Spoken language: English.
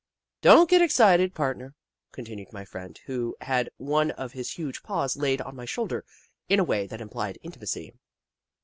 " Don't get excited, part ner," continued my friend, who had one of his huge paws laid on my shoulder in a way that implied intimacy.